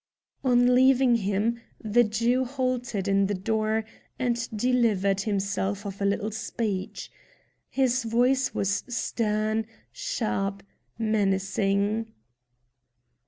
On leaving him the Jew halted in the door and delivered himself of a little speech. His voice was stern, sharp, menacing.